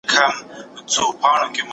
څوک شته، چې وپوښتي په کومه ګناه